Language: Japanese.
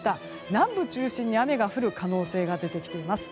南部中心に雨が降る可能性が出てきています。